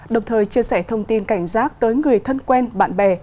đồng thời chia sẻ thông tin cảnh giác tới người thân quen bạn bè